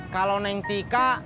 kalau neng tika